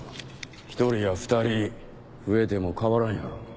１人や２人増えても変わらんやろ。